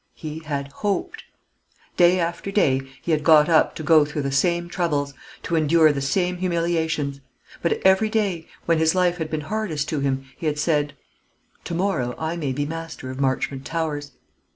He had hoped. Day after day he had got up to go through the same troubles, to endure the same humiliations: but every day, when his life had been hardest to him, he had said, "To morrow I may be master of Marchmont Towers."